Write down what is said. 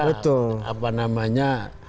betul apa namanya